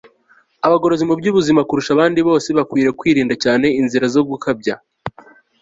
abagorozi mu by'ubuzima, kurusha abandi bose, bakwiriye kwirinda cyane inzira zo gukabya